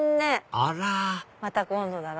あらまた今度だな